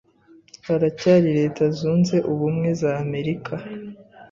haracyari Leta Zunze Ubumwe za Amerika